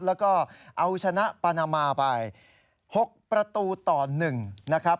แล้วก็เอาชนะปานามาไป๖ประตูต่อ๑นะครับ